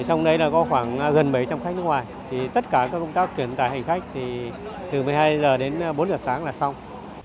trong đấy là có khoảng gần bảy trăm linh khách nước ngoài thì tất cả các công tác chuyển tài hành khách thì từ một mươi hai h đến bốn h sáng là xong